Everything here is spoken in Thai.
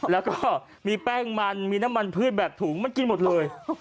แล้วก็มีแป้งมันมีน้ำมันพืชแบบถุงมันกินหมดเลย